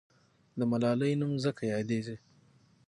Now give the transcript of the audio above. د ملالۍ نوم ځکه یاديږي.